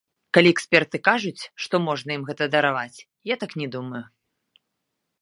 Калі эксперты кажуць, што можна ім гэта дараваць, я так не думаю.